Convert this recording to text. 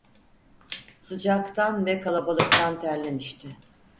Sıcaktan ve kalabalıktan terlemişti.